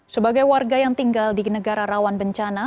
sebagai warga yang tinggal di negara rawan bencana